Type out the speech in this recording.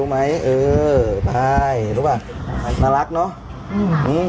แหมเอาแป้งมาโปะกู